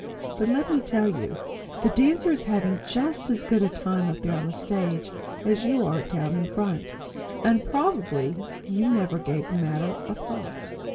But let me tell you, the dancer is having just as good a time up there on the stage as you are down in front; and probably you never gave the matter a thought!